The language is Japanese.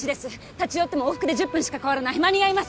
立ち寄っても往復で１０分しか変わらない間に合います！